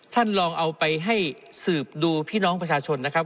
ท่านลองเอาไปให้สืบดูพี่น้องประชาชนนะครับ